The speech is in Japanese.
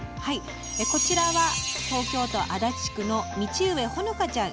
こちらは、東京都足立区の道上芳果ちゃん。